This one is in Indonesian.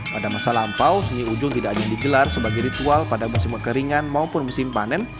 pada masa lampau seni ujung tidak hanya digelar sebagai ritual pada musim kekeringan maupun musim panen